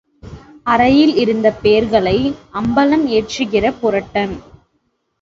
அறையில் இருந்த பேர்களை அம்பலம் ஏற்றுகிற புரட்டன்.